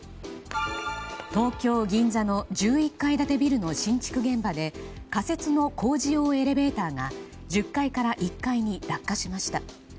東京・銀座の１１階建てビルの新築現場で仮設の工事用エレベーターが１０階から１階に落下しました。